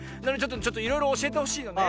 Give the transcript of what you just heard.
ちょっといろいろおしえてほしいのね。